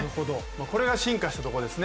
これが進化したところですね。